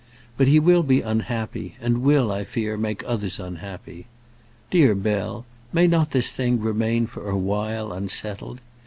But he will be unhappy, and will, I fear, make others unhappy. Dear Bell, may not this thing remain for a while unsettled?